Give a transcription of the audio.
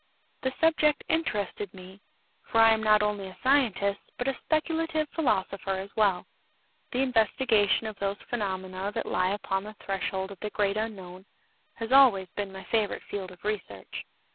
The subject interested me, for I am not only a scientist, but a speculative philosopher as well. The investigation of those phenomena that lie upon the threshold of the great unknown has always been my favorite field of research.